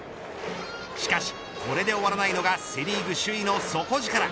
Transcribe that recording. しかし、これで終わらないのがセ・リーグ首位の底力。